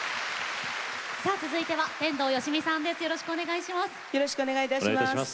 続いては天童よしみさんです。